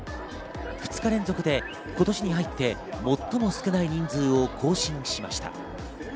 ２日連続で今年に入って、最も少ない人数を更新しました。